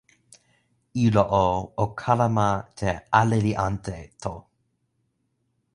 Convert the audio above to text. ilo o, o kalama te "ale li ante" to.